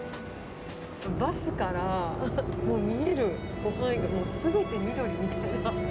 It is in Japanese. バスから見える範囲が、もうすべて緑みたいな。